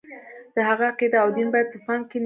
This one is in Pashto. د هغه عقیده او دین باید په پام کې نه وي.